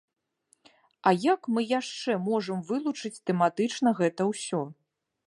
А як мы яшчэ можам вылучыць тэматычна гэта ўсё?